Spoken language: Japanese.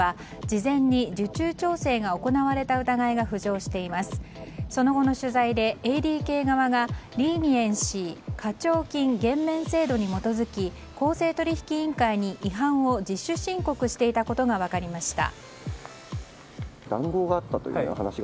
その後の取材でＡＤＫ側がリーニエンシー・課徴金減免制度に基づき公正取引委員会に違反を自主申告していたことが分かりました。